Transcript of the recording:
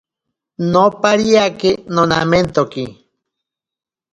Nopariake nomamentoki.